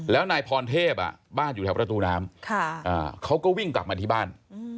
แล้วนายพรเทพบ้านอยู่แถวประตูน้ำเขาก็วิ่งกลับมาที่บ้าน